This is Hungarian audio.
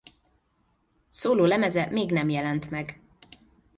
Szólólemeze még nem jelent meg.